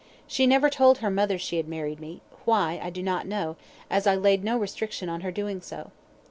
She never told her mother she had married me, why, I do not know, as I laid no restriction on her doing so.